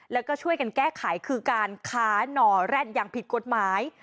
แล้วก็ช่วยกันแก้ไขคือการค้านอแร็ดอย่างผิดกฎหมาย